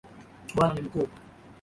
Bwana ni mkuu